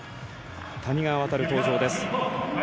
谷川航、登場です。